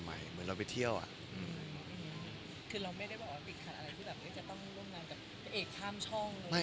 มันก็ยิ่งได้พูดคุยได้ประสบการณ์ใหม่